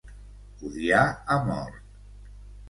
Odiar a mort.